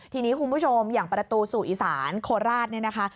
ทีนี้คุณผู้ชมอย่างประตูสู่อีสานโคราชเนี่ยนะคะ